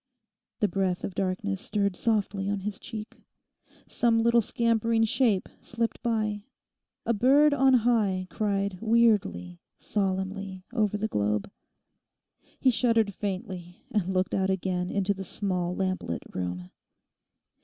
The breath of darkness stirred softly on his cheek. Some little scampering shape slipped by. A bird on high cried weirdly, solemnly, over the globe. He shuddered faintly, and looked out again into the small lamplit room.